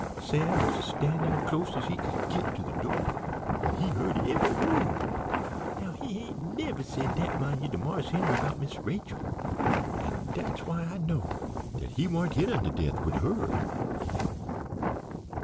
Sam was a standing close as he could git to de door, an' he heard ev'y word. Now he ain't never said dat, mind ye, to Marse Henry 'bout Miss Rachel! An' dat's why I know dat he warn't hit unto death wid her.